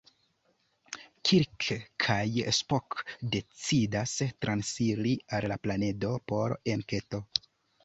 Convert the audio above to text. Kirk kaj Spock decidas transiri al la planedo por enketo.